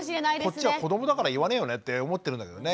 こっちは子どもだから言わねえよねって思ってるんだけどね。